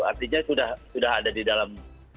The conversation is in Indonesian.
artinya sudah ada di dalam